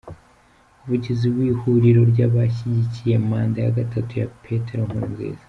Umuvugizi w’Ihuriro ry’abadashyigikiye manda ya gatatu ya Petero Nkurunziza, .